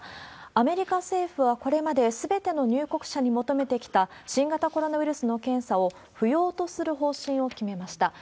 アメリカ政府はこれまで、すべての入国者に求めてきた新型コロナウイルスの検査を、不要とする方針を決めました。